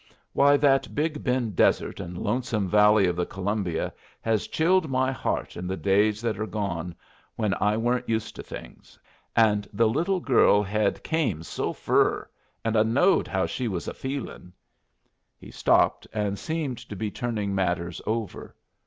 Why, that Big Bend desert and lonesome valley of the Columbia hez chilled my heart in the days that are gone when I weren't used to things; and the little girl hed came so fur! And I knowed how she was a feelin'." He stopped, and seemed to be turning matters over.